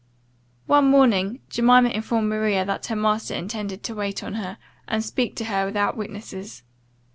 One morning Jemima informed Maria, that her master intended to wait on her, and speak to her without witnesses.